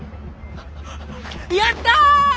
やった！